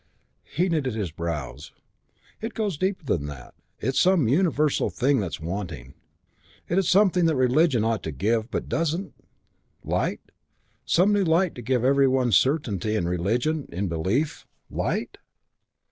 He knitted his brows: "It goes deeper than that. It's some universal thing that's wanting. Is it something that religion ought to give, but doesn't? Light? Some new light to give every one certainty in religion, in belief. Light?"